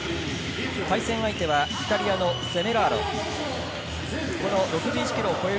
対戦相手はイタリアのセメラーロ。